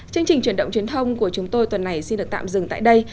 chương trình truyền động truyền thông của chúng tôi tuần này xin được tạm dừng tại đây